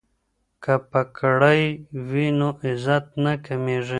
که پګړۍ وي نو عزت نه کمیږي.